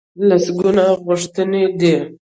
لسګونه غوښتنې دي.